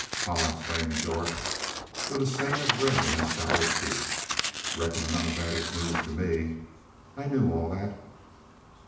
"Hah!" exclaimed Jorth, with a stain of red in his sallow cheek. "Reckon none of that is news to me. I knew all that."